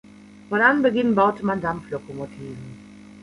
Von Anbeginn baute man Dampflokomotiven.